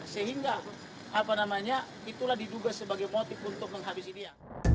sehingga itulah diduga sebagai motif untuk menghabisi dia